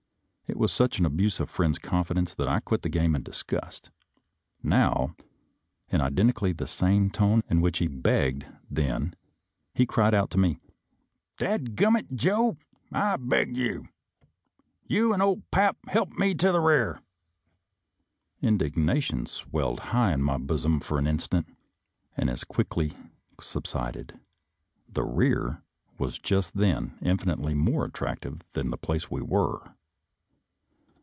It was such an abuse of a friend's confidence that I quit the game in disgust. Now, in iden tically the same tone in which he " begged " then, he cried out to me :" Dad gum it, Joe, I beg; you and ' Ole Pap ' help me to the rear! " Indignation swelled high in my bosom for an instant, and as quickly subsided — the rear was just then infinitely more attractive than the place we were.